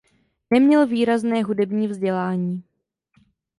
Neměl výrazné hudební vzdělání.